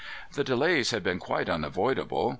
"The delay had been quite unavoidable.